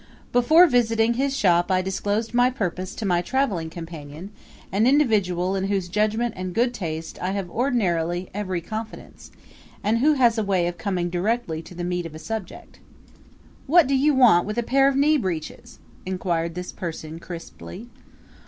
Before visiting his shop I disclosed my purpose to my traveling companion, an individual in whose judgment and good taste I have ordinarily every confidence, and who has a way of coming directly to the meat of a subject. "What do you want with a pair of knee breeches?" inquired this person crisply.